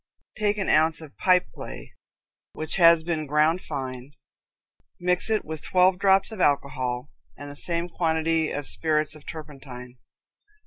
Take an ounce of pipe clay, which has been ground fine, mix it with twelve drops of alcohol and the same quantity of spirits of turpentine.